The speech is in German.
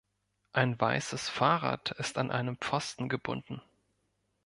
Ein weißes Fahrrad ist an einen Pfosten gebunden